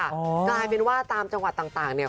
กลายเป็นว่าตามจังหวัดต่างเนี่ย